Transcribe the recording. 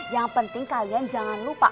yang penting kalian jangan lupa